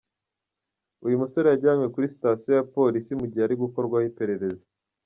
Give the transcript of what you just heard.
uyu musore yajyanywe kuri sitasiyo ya Polisi mu gihe arimo gukorwaho iperereza.